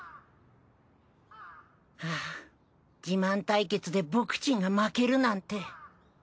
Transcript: ハァ自慢対決で僕ちんが負けるなんて。